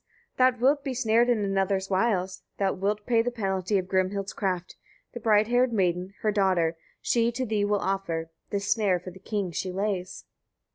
thou wilt be snared in another's wiles, thou wilt pay the penalty of Grimhild's craft; the bright haired maiden, her daughter, she to thee will offer. This snare for the king she lays.